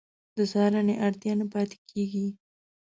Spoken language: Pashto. د څارنې اړتیا نه پاتې کېږي.